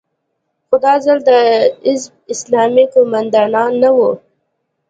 خو دا ځل د حزب اسلامي قومندانان نه وو.